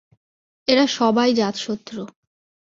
এরা সবাই জাতশত্রু।